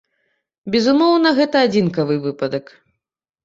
Безумоўна, гэта адзінкавы выпадак.